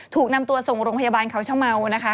ถูกนำตัวส่งโรงพยาบาลเขาช่างเม้า